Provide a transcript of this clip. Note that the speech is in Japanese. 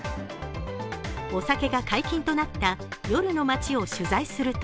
お酒が解禁となった夜の街を取材すると